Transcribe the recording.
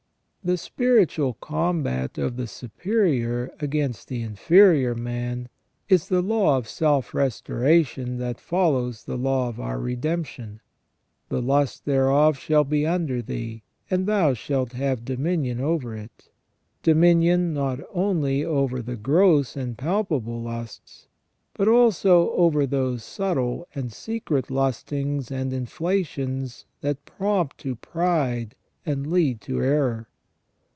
The spiritual combat of the superior against the inferior man is the law of self restoration that follows the law of our redemption. " The lust thereof shall be under thee, and thou shalt have dominion over it," dominion not only over the gross and palpable lusts, but also over those subtle and secret lustings and inflations that prompt to pride and lead to error.